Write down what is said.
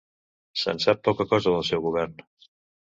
Se'n sap poca cosa del seu govern.